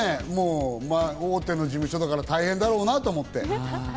大手の事務所だから大変だろうなと思って。